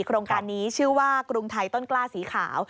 โครงการนี้ชื่อว่ากรุงไทยต้นกล้าสีขาว